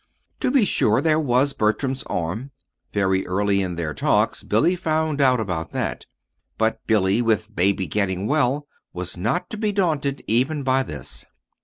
To be sure, there was Bertram's arm. Very early in their talks Billy found out about that. But Billy, with Baby getting well, was not to be daunted, even by this.